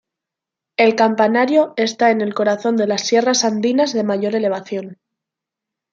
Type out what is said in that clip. El Campanario está en el corazón de las sierras andinas de mayor elevación.